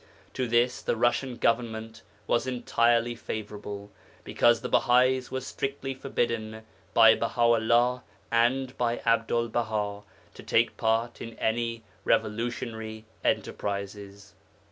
To this the Russian Government was entirely favourable, because the Bahais were strictly forbidden by Baha 'ullah and by Abdul Baha to take part in any revolutionary enterprises.